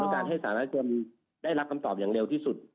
การให้สารรักษาเกี่ยวมีได้รับคำตอบอย่างเร็วที่สุด